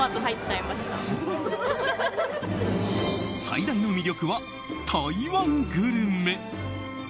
最大の魅力は台湾グルメ。